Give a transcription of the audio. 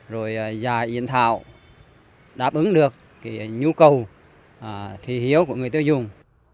rồi dài diện thạo đáp ứng được nhu cầu thí hiếu của người tiêu dùng